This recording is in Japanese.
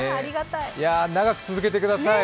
長く続けてください。